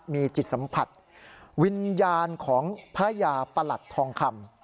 มีจิตสัมผัสวิญญาณของพระยาประหลัดทองคำ